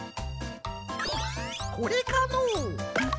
これかのう？